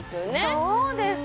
そうです